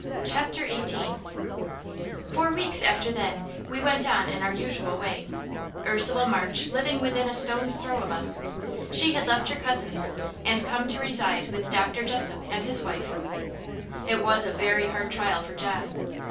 CHAPTER XVIII For weeks after then, we went on in our usual way; Ursula March living within a stone's throw of us. She had left her cousin's, and come to reside with Dr. Jessop and his wife. It was a very hard trial for John.